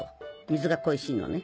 水が恋しいのね。